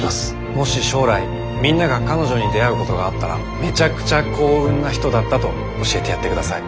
もし将来みんなが彼女に出会うことがあったらめちゃくちゃ幸運なひとだったと教えてやってください。